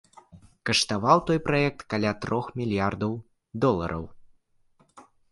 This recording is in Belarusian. Каштаваў той праект каля трох мільярдаў долараў.